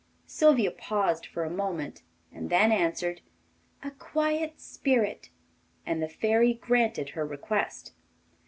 Sylvia paused for a moment, and then answered: 'A quiet spirit.' And the Fairy granted her request.